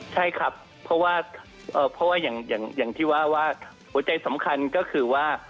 ใช่ครับเพราะว่าอย่างที่ว่าว่าหัวใจสำคัญก็คือว่า